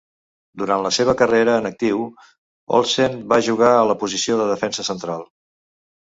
Durant la seva carrera en actiu, Olsen va jugar a la posició de defensa central.